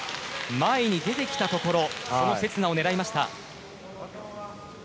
前に出てきたところその刹那を狙いました。